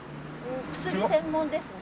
薬専門ですね。